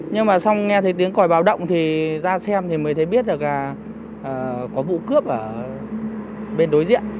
nhưng mà xong nghe thấy tiếng còi bão động thì ra xem mới thấy biết là có vụ cướp ở bên đối diện